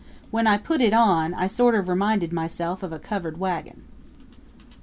When I put it on I sort of reminded myself of a covered wagon.